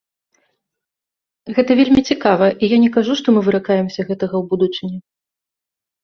Гэта вельмі цікава, і я не кажу, што мы выракаемся гэтага ў будучыні.